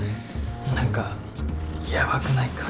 何かヤバくないか？